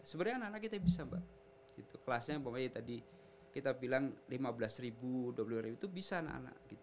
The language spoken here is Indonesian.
sebenarnya anak anak kita bisa mbak kelasnya yang tadi kita bilang lima belas dua puluh itu bisa anak anak